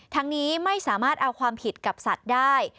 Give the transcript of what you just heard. ทั้งนี้ไม่สามารถเอาความผิดกับสัตว์ได้